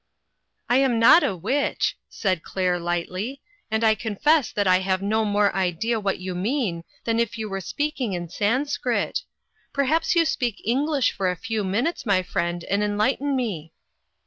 "I am not a witch," said Claire, lightly, "and I confess that I have no more idea what you mean than if you were speaking 334 INTERRUPTED. in Sanscrit. Suppose you speak English for a few minutes, my friend, and enlighten me."